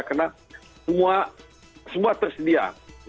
karena semua tersedia